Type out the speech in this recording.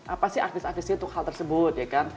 apa sih artis artisnya untuk hal tersebut ya kan